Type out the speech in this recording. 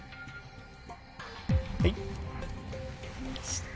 はい。